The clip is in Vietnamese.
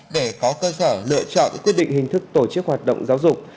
để có cơ sở lựa chọn quyết định hình thức tổ chức hoạt động giáo dục